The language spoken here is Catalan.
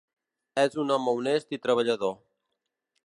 És un home honest i treballador.